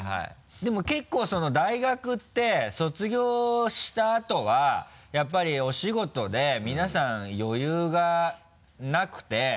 でも結構大学って卒業したあとはやっぱりお仕事で皆さん余裕がなくて。